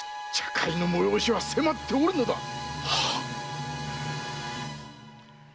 茶会の催しは迫っておるのだ！